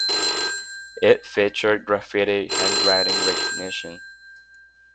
It featured Graffiti handwriting recognition.